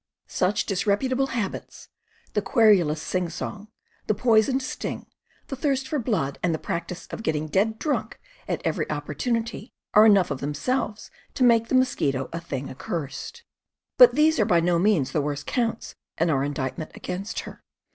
Such disreputable habits — the querulous sing song, the poisoned sting, the thirst for blood, and the practice of getting dead drunk at every opportunity, are enough of themselves to make the mosquito a thing accursed; but these are by no means the worst counts in our in dictment against her.